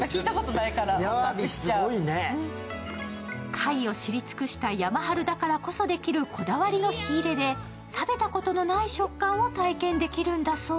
貝を知り尽くした山治だからこそできるこだわりの火入れで食べたことのない食感を体験できるんだそう。